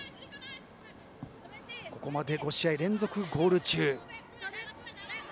ここまで５試合連続ゴール中。